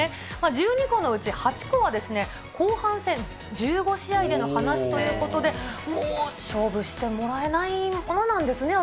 １２個のうち８個は、後半戦１５試合での話ということで、もう勝負してもらえないものなんですね。